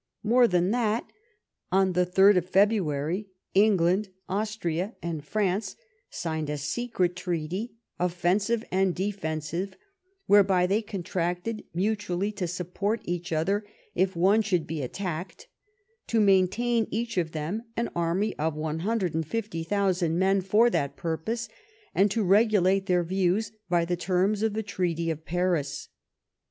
More than that, on the 3rd February, Enghmd, Austria, and France signed a secret treaty, offensive and defensive, whereby they contracted mutually to support each other if one should be attacked ; to maintain, each of them, an army of 150,000 men for that purpose ; and to regulate their views by the terms of the treaty of Paris.